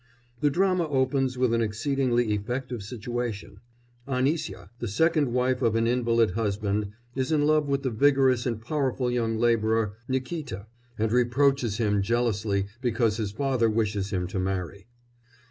The drama opens with an exceedingly effective situation: Anisya, the second wife of an invalid husband, is in love with the vigorous and powerful young labourer Nikíta, and reproaches him jealously because his father wishes him to marry.